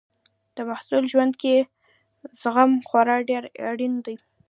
د محصل ژوند کې زغم خورا ډېر اړین دی.